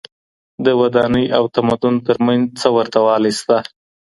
د ودانۍ او تمدن ترمنځ څه ورته والی سته؟